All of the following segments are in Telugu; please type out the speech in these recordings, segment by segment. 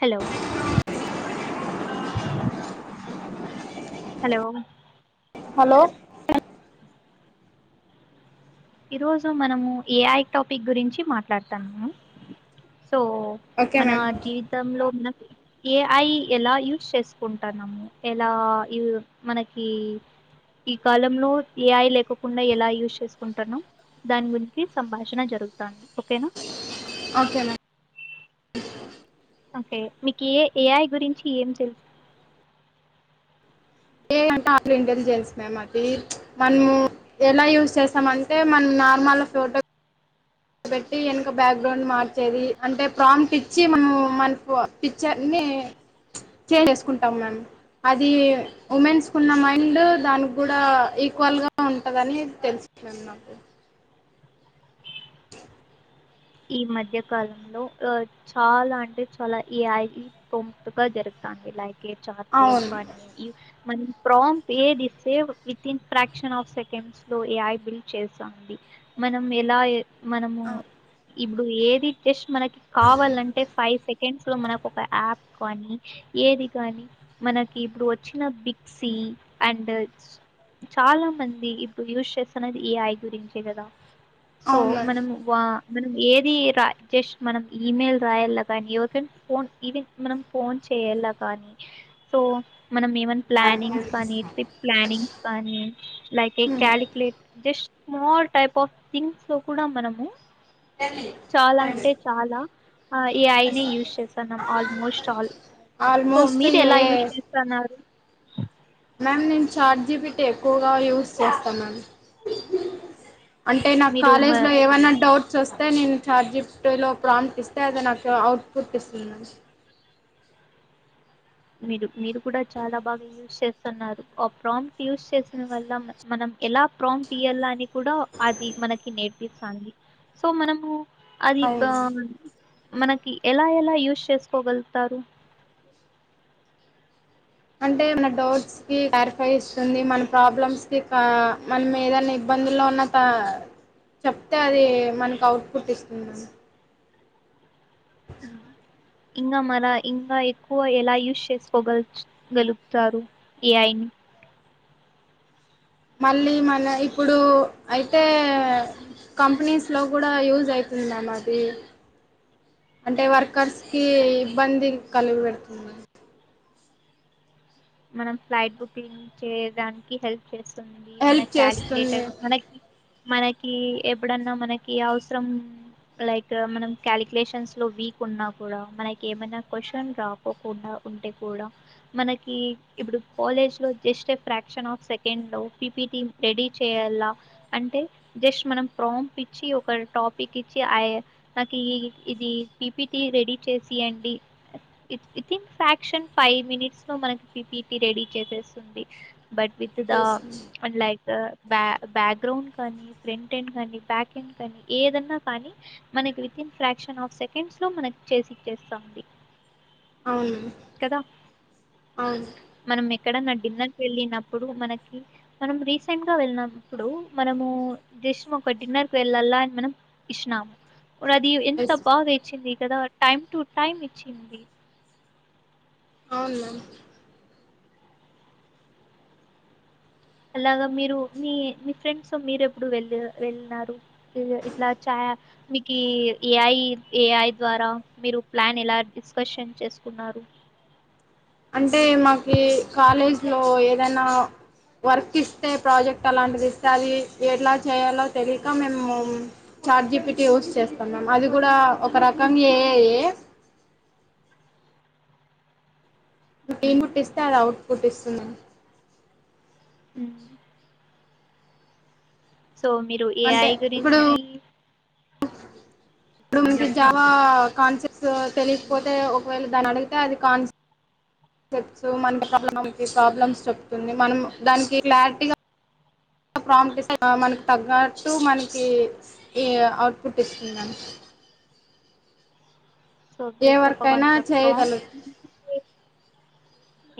హలో హలో హలో ఈరోజు మనము ఏఐ టాపిక్ గురించి మాట్లాడుతానము. హొ ఓకే మన మ్యామ్ జీవితంలో మన ఏఐ ఎలా యూస్ చేసుకుంటాన్నము ఎలా యూ మనకి ఈ కాలంలో ఏఐ లేకొకుండా ఎలా యూజ్ చేస్త కుంటాన్నాం దాని గురించి సంభాషణ జరుగుతాంది ఓకేనా ఓకే మ్యామ్ ఓకే మీకు ఏ ఏఐ గురించి ఏం తెలుసు ఏఐ అంటె ఆల్ ఇంటెల్జెన్స్ మ్యామదీ ప్చ్ మన్మూ ఎలా యూస్ జేస్తామంటె మన్న నార్మల్ల ఫోటో పెట్టి వెనక బ్యాక్ గ్రౌండ్ మార్చేది అంటే ప్రామ్ట్ ఇచ్చి మనం మనకు పిక్చర్ ని చేసేసుకుంటాం నన్ అది ఉమెన్స్ కున్న మైండ్ దానికి కూడా ఈక్వల్ గా ఉంటదని తెలుసు. మెన్ నాకు. ఈ మధ్య కాలంలో ఆహ్ చాలా అంటే చాలా ఈ ఏఐ కి ప్రాంట్ గా జరుగుతు. లైక్ ఎ చార్ట్ బోర్డ్ అవును కానీ ఈ మన్. ప్రాముట్ ఏది ఇస్తే విత్న్ ఫ్రాక్షన్ ఆఫ్ సెకండ్స్ లో ఏఐ బిల్ట్ చేస్తుంది. మనం ఎలా. మనము ఇప్పుడు ఏది జస్ట్ మనకి కావాలంటే ఫైవ్ సెక్. కేన్స్ లో మనకు ఒక యాప్ కానీ ఏది నీ మనకి ఇప్పుడు వచ్చిన బిగ్ సి. అండ్ స్. చాలా మంది ఇప్పుడు యూస్ చేస్తున్నది ఏఐ గురించే కదా. సో అవును మ్యామ్ మనం మా. మనం ఏది రా జస్ట్ మనం ఈమెయిల్ రాయలా కానీ ఎవరికైనా ఫోన్ ఈవెన్ మనం ఫోన్ చేస్. చేయలా కానీ సో. మనం ఏమైనా ప్లానింగ్స్ కానీ ట్రిప్ ప్లానింగ్స్ కానీ. Like a calculate just more type of things లో కూడా మనము. చాలా అంటే చాలా ఆహ్ ఏఐ నే యూజ్ చేస్తాన్నాం ఆల్మోస్ట్ ఆల్. సో ఆల్మోస్ట్ మీరు ఏ ఎలా యూస్ చేస్తున్నారు. [unintelligible] నేను చాట్‌జిపిటి ఎక్కువగా యూస్ చేస్తాన్నాం. అంటే నాకు మీరు కాలేజ్ మా లో ఏమైన్నా డౌట్స్. చుస్తే నేను చాట్‌జిపిటిలో ప్రాముట్ ఇస్తే అది నాకు అవుట్పుట్ ఇస్తుంది మంచిగా. మీరు మీరు కూడా చాలా బాగా యూజ్ చేస్తున్నారు ఆహ్ ప్రాంట్ యూస్ చేసిన వల్ల మనం. ఎలా ప్రాంట్ ఇయాల్లని కూడా అది మనకి నేర్పిస్తది సో మనము అది అవును మ్యామ్ పామ్ మనకి ఎలా ఎలా యూజ్ చేసుకోగలుతారు. అంటే మన డౌట్స్ కి క్లారిఫై చేస్తుంది మన ప్రాబ్లమ్స్ కి క మనం ఏదైనా ఇబ్బంది. ఇబ్బందిలో ఉన్నంపా చెప్తే అది మనకి అవుట్పుట్ ఇస్తుంది అసలు. ఇంకా మన ఇంకా ఎక్కువ ఎలా యూస్ చేసుకోగలుగు గలుగుతారు ఏఐ ని. మళ్ళీ మన ఇప్పుడు అయితే. కంపెనీస్ లో కూడా యూజ్ అయితద మరి. అంటే వర్కర్స్ కి ఇబ్బంది కలవేడుతుంది. మనం ఫ్లైట్ బుకింగ్ చేయడానికి హెల్ప్ చేస్. ఇస్తుంది హెల్ప్ మనకు చేస్తుంది కాలిక్యులేటర్ మనకి. మనకి ఎప్పుడన్నా మనకి అవసరం. లైక్ మనం క్యాలీకులషన్స్ లో వీక్ ఉన్నా కూడా మనకి ఏమైనా క్వశ్చన్ రాపోకుండా. ఉంటే కూడా మనకి. ఇప్పుడు కాలేజ్ లో just a fraction of second లో పిపిటి రెడీ చేయాల అంట్. టే జస్ట్ మనం ప్రాంప్ట్ ఇచ్చి ఒక టాపిక్ ఇచ్చి అయ్ నాకు ఈ ఇది ఇ పిపిటి రెడీ చేసి ఇయండి విత్ ఇన్ ఫైవ్ మినిట్స్ లో మనకు. పీపీటీ రెడీ చేసేస్తుంది బట్ విత్ ద చేస్తుంది లైక్ ఆహ్ బ్యా బ్యాక్ ఎండ్ కానీ ఫ్రంట్ ఎండ్ కానీ బ్యాక్ ఎండ్ కానీ ఏదన్నా కానీ. మనకి within fraction of seconds లో మనకు చేసి ఇచ్చేస్తుంది. కదా అవును మనం ఎక్. ఎక్కడన్నా డిన్నర్కి వెళ్ళినప్పుడు మనకి మనం రీసెంట్ గా వెళ్ళినప్పుడు మనము. జిష్ణుకు పట్టిన బెల్లం ల ఇష్టనము. అది ఎంత ఎస్ బాగా ఇచ్చింది కదా టైమ్ టు టైమ్ ఇచ్చింది. అవునా అలాగా మీరు మీ మీ ఫ్రెండ్స్ మీరు ఎప్పుడు వెళ్ళ వెళ్ళినారు ఇట్లా చా [unintelligible] మికీ ఏఅయీ ఏఐ ద్వారా మీరు ప్లానెలా డిస్కషన్ చేస్కున్నారు. అంటే మాకీ కాలేజ్లో ఏదన్నా వర్కిస్తే ప్రాజెక్టలాంటిదిస్తే అది ఎట్లా చేయ్యాలొ తెలీక మెమ్ము చాట్జీపీటి యూజ్ చేస్తాం మ్యామ్ అది గుడా ఒకరకం ఏఐయే. ఇన్ను [unintelligible] మ్మ్. ట్టిస్తే అదౌట్పుట్ ఇస్తుంది [unintelligible] ఊమ్. సో మీరు అంటే ఏఐ ఇప్పుడు గురించీ ఇప్పుడు మీరు జావా కాన్సెప్ట్స్ తెలీక్పోతే ఒకవేళ దాన్నడ్గితే అది కాన్సె తెచ్చు మన్క [unintelligible] మన్కి ప్రాబ్లమ్స్ చెప్తుంది మన్ము దాన్కి క్లార్టీగ ప్రాంప్టిస్ అ మన్క్ తగ్గట్టూ మన్కి ఈ ఔట్పుటిస్తుంద్ మ్యాచ్. సొ ఏ పీప్ తప్ప వర్క్ అయినా వన్ తప్ ట్రామ్ చేయగల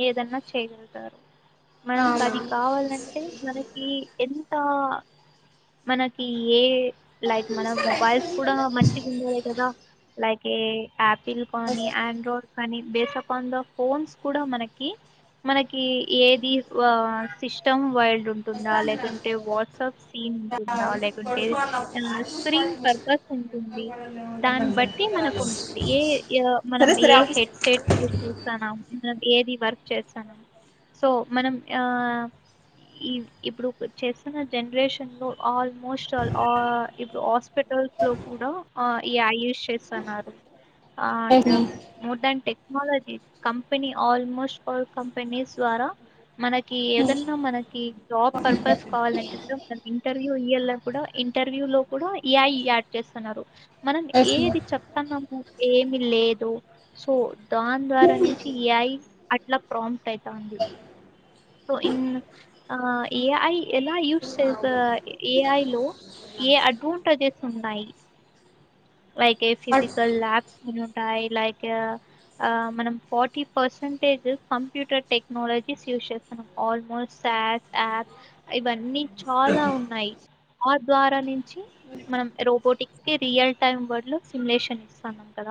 ఏదన్నా చేయ్గల్తారు మన్కది కావాల్లంటే మనకీ ఎన్ తా మనకీ ఏ లైక్ మన మొబైల్స్ కుడా మంచిగుండాలె కదా లైక్ ఏఐ యాపిల్ కానీ యాండ్రాడ్ కానీ బేసపాన్ ద ఫోన్స్ కూడా మనకి మనకీ ఏది వా సిస్టమ్ వైల్ లుంటుందా లేకుంటె వాట్సప్ సీనుంటుందా లేకుంటె అ స్క్రీన్ పర్పస్ ఉంటుంది దాన్ బట్టి మనకుంటుంది ఏ య మనమే హెడ్సెట్ యూ జేస్తాన్నం మనద్ ఏది వర్క్ చేస్తానమ్ సొ మనం యా ఈ ఇప్పుడు చేస్తున్న జన్రేషన్లొ ఆల్మోస్టాల్ ఆ ఇప్పుడు ఆస్పెట్ టల్స్లొ కూడా అ ఏయాయూష్ చేస్తన్నారు. ఆ yes and ma'am more than technologies company almost all companies ద్వార. మనకీ ఏదన్న మనకి జాబ్ పర్పస్ కావల్లంటె కుడా మనింటర్వ్యూ ఇయ్యల్ల కుడా ఇంటర్వ్యూలొ కుడా ఈఐ యాడ్ చేస్తన్నారు. మనం ఎస్ ఏది మ్యామ్ చెప్తన్నాము ఏమి లేదు సొ దాన్ ద్వారా ని చి ఏఐ అట్ల ప్రోంప్టైతాంది. తొ ఇన్న్ ఆ ఏఐ ఎలా యూజ్ చేతా ఏఐ లో ఏ అడ్వాంటేజెసున్నాయ్. లైకే ఫిజికల్ ల్యాబ్సునుంటాయ్ లైక్ ఆ మనం fatty percentage computer technologies use చేస్తాం ఆల్మోస్ట్. స్యాడ్స్ యాప్ ఇవన్నీ చాలా ఉన్నాయ్. ఆప్ ద్వారా నించి మనం రొబోటిక్స్కి రియల్ టైమ్ వడ్లొ సిమ్లేషనిస్తాన్నాం కద.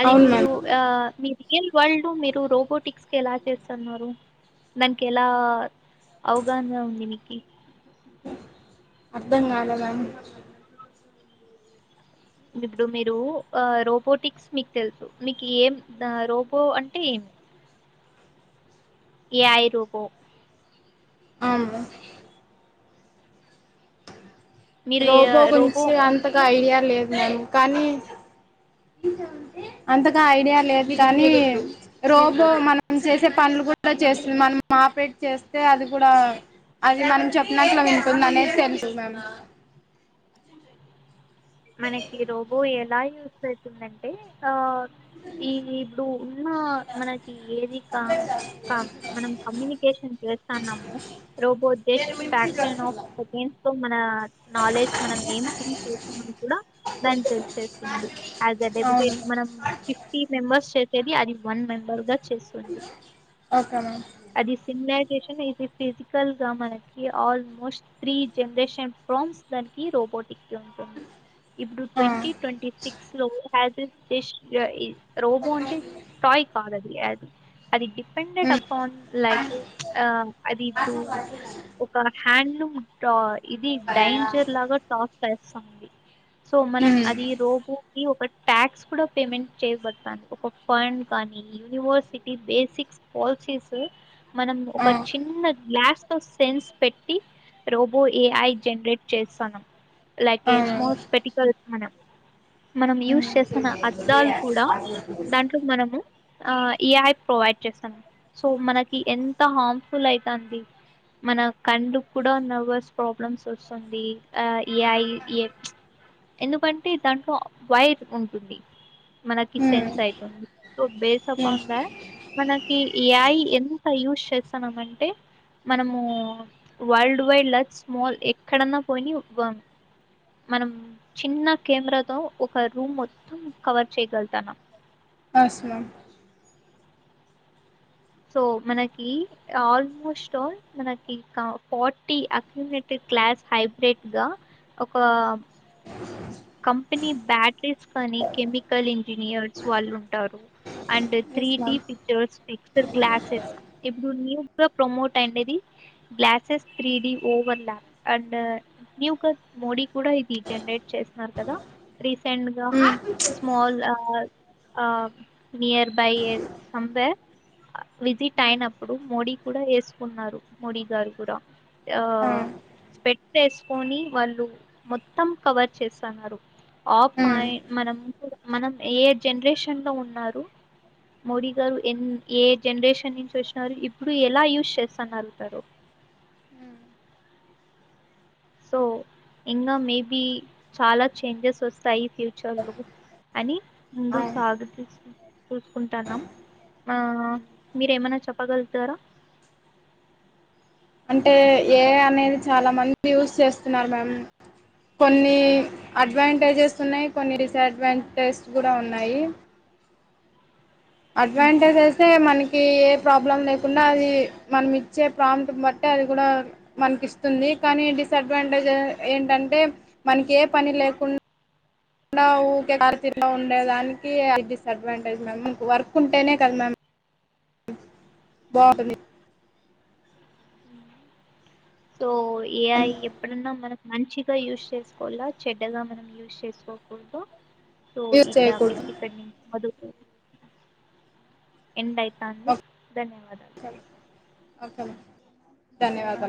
అది అవును మ్యామ్ మీరూ ఆ మి రియల్ వల్డు మిరూ రోబోటిక్సెలా చేస్తన్నారు. దాన్కెలా అవ్గానా ఉంది మీకి. అర్దం గాలా మ్యామ్ ఇప్పుడు మీరూ అ రోబోటిక్స్ మీక్ తెల్సు మీకి ఏం రోబో అంటె ఏం ఏఐ రోబో. ఔను. మీరు రోబో ఏ- గురించి అంతగా ఐడియా లేద్ మ్యామ్ కాని అంతగా ఐడియా లేద్ కానీ రోబో మనం సేసే పన్ గూడా చేస్తుంద్ మన్మాప్రేట్ చేస్తే అది గుడా అది మనం చెప్పినట్లు వింటుంది అనేది తెలుసు మం మనకి రోబో ఎలా యూస్ అయితుందంటే ఆ ఈ ఇప్పుడు ఉన్న మనకి ఏది క మనం కమ్యూనికేట్ టెషన్ చేస్తాన్నాము రోబో జస్ట్ ఫ్యాక్షనాఫ్ సెకెండ్స్లొ మనా నాలెడ్జ్ మనం ఏం థింక్ చేస్తున్నామ్ కూడా దాన్ తెల్సేస్తుంది. యాజె అవును డెబిటేట్ మనం ఫిఫ్టీ మెంబర్స్ చేసేది అది వన్ మెంబర్గ చేసుంది ఓకే మ్యామ్ అది సిమ్లర్ ఫిజికల్ గా మనకి ఆల్మోస్ట్ త్రీ జనరేషన్ ఫామ్స్ దానికి రోబోట్ ఇప్పుడు ఆ ట్వంటీ ట్వంటీ సిక్స్ లో హజ [unintelligible] రోబో అంటే టాయ్ కాదది అది డిపెండెంట్ ఉమ్ అపాన్ లైక్ ఆ అది టూ ఒక హ్యాండ్లూమ్ ఆ ఇది డైజర్ లాగా టాక్ చేస్తుంది సో మనం ఉమ్ అది రోబో ఇ ఒక ట్యాక్స్ కూడా పేమెంట్ చేయబడతాంది. ఒక ఫండ్ కానీ యూనివర్సిటీ బేసిక్ పాల్సీస్ మనం ఒక ఆ చిన్న గ్లాస్ సెన్స్ పెట్టి రోబో ఏఐ జనరేట్ చేస్తానం. లగేజ్ అవును స్మాస్ మనం మనం ఉమ్ యూజ్ చేస్తున్న అద్దాలు కూడా దాంట్లో మనము ఆ ఈఐ ప్రొవైడ్ చేస్తానం సో మనకి ఎంత హార్మ్ఫుల్ అయితాంది మన కన్లుకి కూడా నర్వర్స్ ప్రాబ్లమ్స్ వస్తుంది ఆ ఏఐ ఎ ఎందుకంటే దాంట్లో వైర్ ఉంటుంది మనకి ఉమ్ సెన్స్ అయితుంది. So base upon yes that మనకి ఏఐ ఎంత్ ఎంత యూస్ చేస్తా అన్నమంటే మనమూ వరల్డ్ వైడ్ లా స్మాల్ ఎక్కడన్నా పోని మనం చిన్న కెమెరతో ఒక రూమ్ మొత్తం కవర్ చేయగలుతన్నం అసమామ్ సో మనకి ఆల్మోస్ట్ ఆల్ మనకి ఫార్టీ అక్యూట క్లాస్ హైబ్రిడ్గా ఒకా కంపెనీ బ్యాటరీస్ కనీ కెమికల్ ఇంజనీయర్స్ వాళ్ళుంటారు. And yes three D ma'am pictures మీక్ గ్లాసెస్ ఇప్పుడు న్యూగా ప్రొమోట్ అయిండేది గ్లాసెస్ త్రీడి ఓవన్లా అండ్ న్యూగా మోడి కూడా ఇది జనరేట్ చేస్ మార్ కదా రీసెంట్గా ఉమ్ small all near by somewhere visit um అయినప్పుడు మోడీ కూడా ఏసుకున్నారు మోడీ గారు కూడా ఆ స్పెట్స్ ఏసుకొని వాళ్ళు మొత్తం కవర్ చేస్సన్నారు ఆపా ఉమ్ మన మనం ఏ జనరేషన్లో ఉన్నారు మోడీ గారు ఎన్ ఏ జనరేషన్ నుంచి వచ్చినారు. ఇప్పుడు ఎలా యూస్ చేస్తన్నారు అంటారు. సో ఇంకా మేబి చాలా చేంజెస్ వస్తాయి ఫ్యూచర్లో అని ముందు అవును సాగుతు చూసుకుంటాన్నాం ఆ మీరేమనా చెప్పగలుగుతారా అంటే ఏఐ అనేది చాలా మంది యూస్ చేస్తున్నారు మ్యామ్ కొన్ని అడ్వాంటేజెస్ ఉన్నాయి. కొన్ని డిసడ్వాంటేజెస్ కూడా ఉన్నాయి. అడ్వాంటేజ్సే మనకీ ఏ ప్రాబ్ ప్రాబ్లం లేకుండా అది మనం ఇచ్చే ప్రాంప్ట్ని బట్టి అది గూడ మనకిస్తుంది కానీ డిసైడ్ అడ్వాంటేజ్ ఏంటంటే మనకి ఏ పని లేకుం డా ఊకే కరితిలో ఉండేదానికి అది డిసఅడ్వాంటేజ్ మ్యామ్ వర్క్ ఉంటేనే కదా మ్యామ్ దాటిని సో ఏ ఐ ఎప్పుడన్నా మనం మంచిగా యూస్ చేస్కోవాల చెడ్డగా మనం యూజ్ చేసుకోకూడదు సో యూజ్ ఈ చేయకూడదు టాపిక్ ఇక్కడ్నే వదు ఎండైతాంది ధన్యవాదాలు పక్కన ధన్యవాదాల్